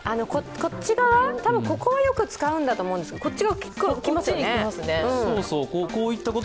こっち側、多分、ここはよく使うんだと思うんですけど、こっち、きますよね。